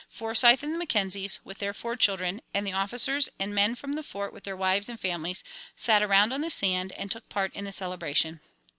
Forsyth and the Mackenzies, with their four children, and the officers and men from the Fort with their wives and families, sat around on the sand and took part in the celebration.